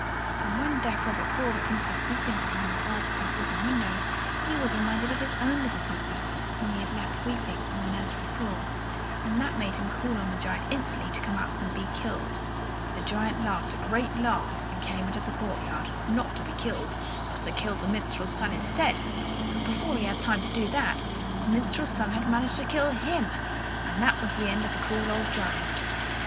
And when deaf Robert saw the Princess weeping behind the bars of her prison window, he was reminded of his own little Princess whom he had left weeping on the nursery floor; and that made him call on the giant instantly to come out and be killed. The giant laughed a great laugh and came out into the courtyard, not to be killed, but to kill the minstrel's son instead; but before he had time to do that, the minstrel's son had managed to kill him, and there was an end of the cruel old giant.